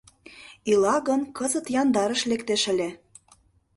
Ила гын, кызыт яндарыш лектеш ыле.